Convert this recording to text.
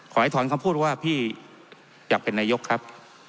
ขอให้ถอนคำพูดว่าพี่อยากเป็นนายกครับ